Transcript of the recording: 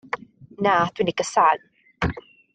Na, dw i'n ei gasáu.